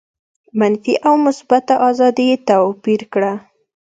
منفي او مثبته آزادي یې توپیر کړه.